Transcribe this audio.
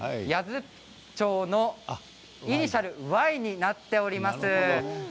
八頭町のイニシャル、Ｙになっています。